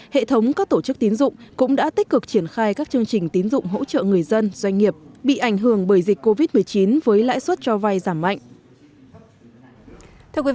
hệ thống các tổ chức tín dụng cũng đã tích cực triển khai các chương trình tín dụng hỗ trợ người dân doanh nghiệp bị ảnh hưởng bởi dịch covid một mươi chín với lãi suất cho vay giảm mạnh